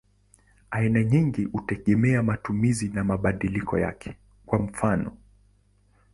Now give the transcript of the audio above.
Aina hizi hutegemea matumizi na mabadiliko yake; kwa mfano.